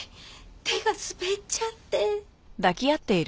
手が滑っちゃって。